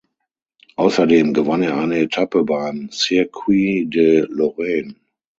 Außerdem gewann er eine Etappe beim Circuit de Lorraine.